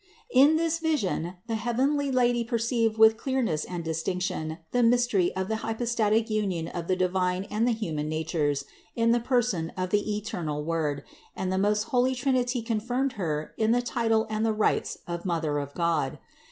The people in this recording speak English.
In this vision the heavenly Lady per ceived with clearness and distinction the mystery of the hypostatic union of the divine and the human natures in the person of the eternal Word, and the most holy Trinity confirmed Her in the title and the rights of Mother of God.